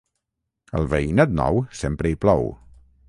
Al Veïnat Nou sempre hi plou.